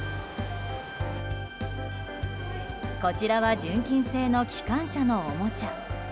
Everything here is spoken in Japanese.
こちらは純金製の機関車のおもちゃ。